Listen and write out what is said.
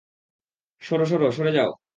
সরো, সরো, সরে যাও!